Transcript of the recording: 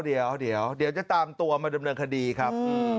เดี๋ยวจะตามตัวมาดำเนินคดีครับ